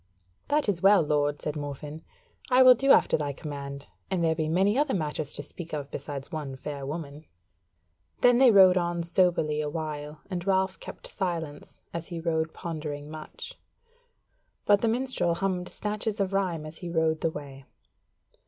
"That is well, lord," said Morfinn, "I will do after thy command; and there be many other matters to speak of besides one fair woman." Then they rode on soberly a while, and Ralph kept silence, as he rode pondering much; but the minstrel hummed snatches of rhyme as he rode the way.